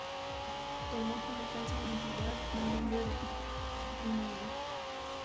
Tomó como falsa identidad el nombre de Mlle.